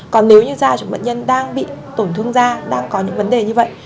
còn nếu như da chúng bệnh nhân đang bị tổn thương da đang có những vấn đề như vậy